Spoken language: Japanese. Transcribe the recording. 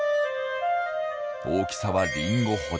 大きさはリンゴほど。